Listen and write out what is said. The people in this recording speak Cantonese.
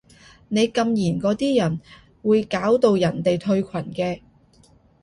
你禁言嗰啲人會搞到人哋退群嘅